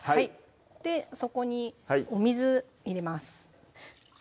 そこにお水入れます